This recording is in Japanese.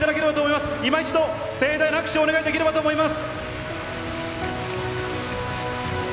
いま一度、盛大な拍手をお願いできればと思います。